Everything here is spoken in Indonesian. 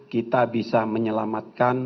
kita bisa menyelamatkan